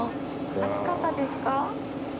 暑かったですか？